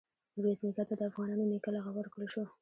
میرویس نیکه ته د “افغانانو نیکه” لقب ورکړل شو.